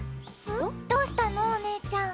どうしたのお姉ちゃん？